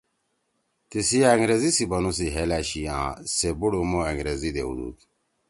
تیِسی أنگریزی سی بنُو سی ہیل أشی آں سےبُوڑ عُمُو أنگریزی دیؤدُود